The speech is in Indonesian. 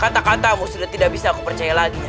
kata katamu sudah tidak bisa aku percaya lagi